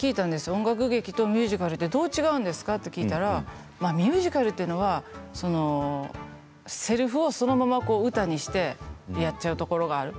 音楽劇とミュージカルはどう違うんですかとそしたらミュージカルというのはせりふをそのまま歌にしてやっちゃうところがある。